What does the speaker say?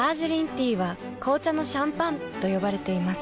ティーは紅茶のシャンパンと呼ばれています。